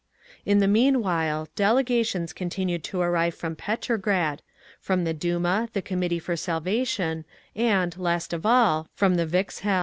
In the meanwhile delegations continued to arrive from Petrograd; from the Duma, the Committee for Salvation, and, last of all, from the _Vikzhel.